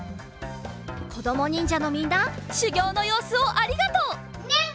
こどもにんじゃのみんなしゅぎょうのようすをありがとう！ニン！